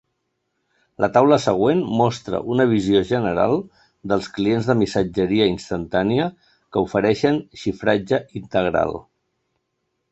La taula següent mostra una visió general dels clients de missatgeria instantània que ofereixen xifratge integral.